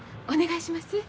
お願いします。